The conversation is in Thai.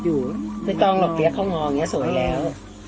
อ๋ออย่างเงี้ยสวยแล้ว